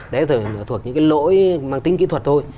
đấy thuộc những cái lỗi mang tính kỹ thuật thôi